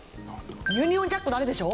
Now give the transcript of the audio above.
ユニオンジャックのあれでしょ？